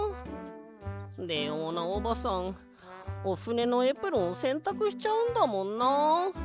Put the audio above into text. レオーナおばさんおふねのエプロンせんたくしちゃうんだもんなあ。